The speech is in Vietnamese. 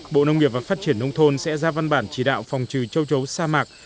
bộ nông nghiệp và phát triển nông thôn sẽ ra văn bản chỉ đạo phòng trừ châu chấu sa mạc